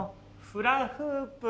フラフープ。